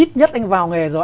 ít nhất anh vào nghề rồi